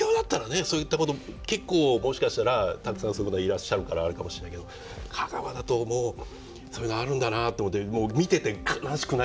そういったこと結構もしかしたらたくさんそういう方はいらっしゃるからあれかもしれないけど香川だともうそれがあるんだなと思ってもう見てて悲しくなります。